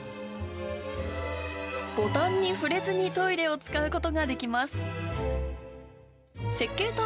ボタンに触れずにトイレを使うことができます。